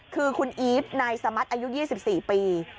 คือคุณอีฟนายสมัติอายุ๒๔ปี